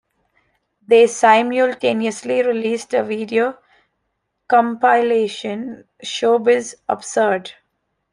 They simultaneously released a video compilation, "Showbiz Absurd".